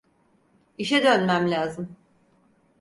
İşe dönmem lazım.